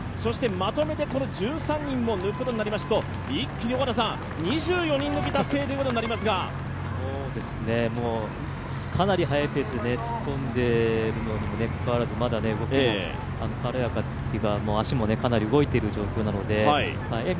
まとめて１３人を抜くことになりますと一気に２４人抜き達成ということになりますが、かなり速いペースで突っ込んでいるにもかかわらずまだ動きも軽やかというか、足もかなり動いている状況なので。